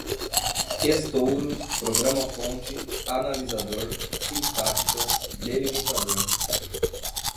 estouro, programa-fonte, analisador, sintáticas, delimitador